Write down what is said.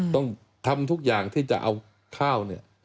ต้องทำทุกอย่างที่จะเอาข้าวเนี่ย